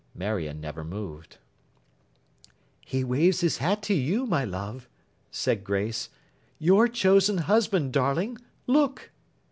Marion never moved. 'He waves his hat to you, my love,' said Grace. 'Your chosen husband, darling. Look!